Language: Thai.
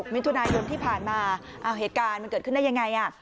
มิถุนายนที่ผ่านมาเหตุการณ์มันเกิดขึ้นได้ยังไง